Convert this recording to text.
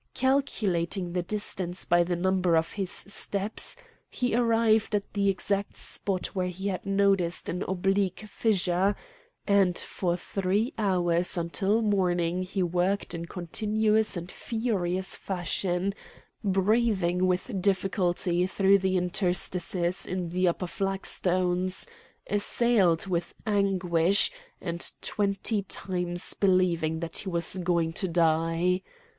Calculating the distance by the number of his steps, he arrived at the exact spot where he had noticed an oblique fissure; and for three hours until morning he worked in continuous and furious fashion, breathing with difficulty through the interstices in the upper flag tones, assailed with anguish, and twenty times believing that he was going to die.